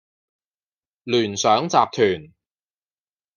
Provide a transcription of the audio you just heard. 聯想集團